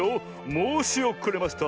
もうしおくれました。